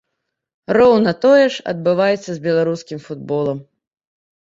Роўна тое ж адбываецца з беларускім футболам.